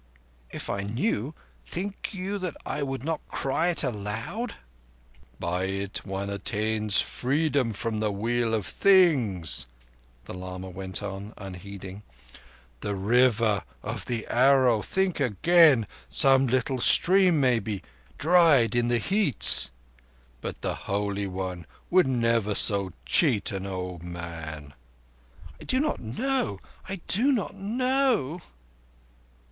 "If I knew, think you I would not cry it aloud?" "By it one attains freedom from the Wheel of Things," the lama went on, unheeding. "The River of the Arrow! Think again! Some little stream, maybe—dried in the heats? But the Holy One would never so cheat an old man." "I do not know. I do not know."